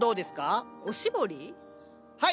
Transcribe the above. はい。